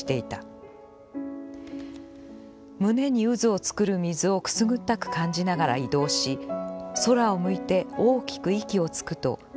胸に渦を作る水をくすぐったく感じながら移動し、空を向いて大きく息をつくと真っすぐ潜った。